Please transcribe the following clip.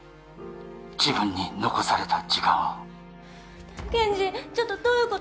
自分に残された時間を健二ちょっとどういうこと！？